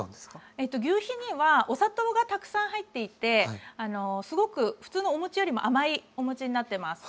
ぎゅうひにはお砂糖がたくさん入っていてすごく普通のお餅よりも甘いお餅になってます。